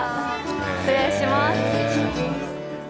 失礼します。